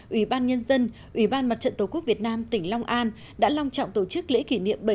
ủy ban nhân dân ủy ban mặt trận tổ quốc việt nam tỉnh long an đã long trọng tổ chức lễ kỷ niệm